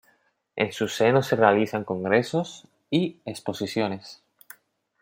En su seno se realizan congresos y exposiciones.